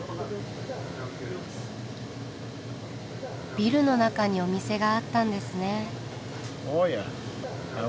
ビルの中にお店があったんですね。